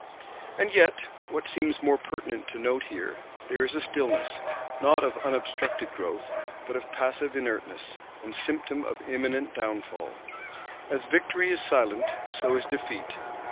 And yet, what seems more pertinent to note here, there is a stillness, not of unobstructed growth, but of passive inertness, and symptom of imminent downfall. As victory is silent, so is defeat.